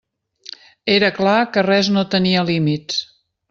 Era clar que res no tenia límits.